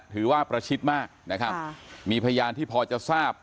ถือว่าประชิดมากนะครับมีพยานที่พอจะทราบ